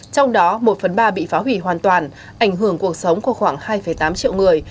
trong đó một phần ba bị phá hủy hoàn toàn ảnh hưởng cuộc sống của khoảng hai tám triệu người